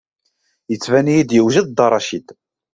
Ittban-iyi-d yewjed Dda Racid.